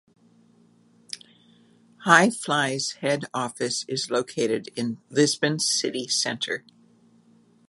Hi Fly's head office is located in Lisbon's city centre.